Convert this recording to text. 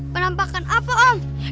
penampakan apa om